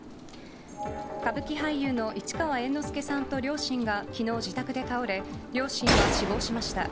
歌舞伎俳優の市川猿之助さんと両親が昨日自宅で倒れ両親は死亡しました。